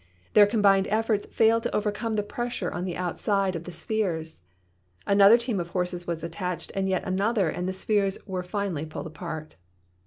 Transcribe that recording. Their combined efforts failed to overcome the pressure on the outside of the spheres. Another team of horses was attached, and yet another, and the spheres were finally pulled apart.